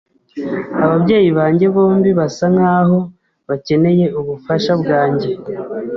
Ababyeyi banjye bombi basa nkaho bakeneye ubufasha bwanjye